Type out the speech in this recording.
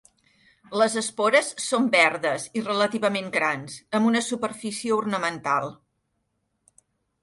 Les espores són verdes i relativament grans, amb una superfície ornamental.